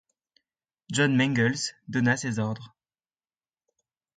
John Mangles donna ses ordres.